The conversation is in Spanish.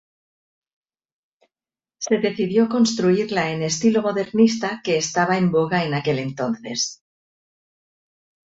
Se decidió construirla en estilo modernista que estaba en boga en aquel entonces.